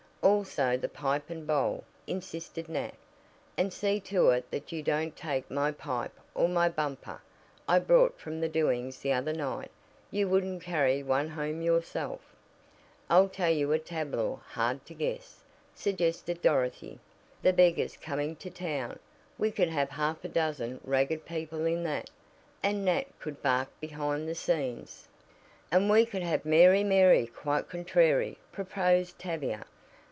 "Also the pipe and bowl," insisted Nat; "and see to it that you don't take my pipe or the 'bumper' I brought from the doings the other night. You wouldn't carry one home yourself." "I'll tell you a tableau hard to guess," suggested Dorothy. "'The Beggars Coming to Town.' We could have half a dozen ragged people in that, and Nat could bark behind the scenes." "And we could have 'Mary, Mary, quite contrary,'" proposed Tavia.